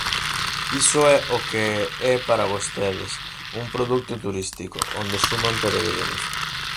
Iso é o que é para vostedes, un produto turístico, onde suman peregrinos.